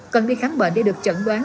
cần đi kháng bệnh để được trận đoán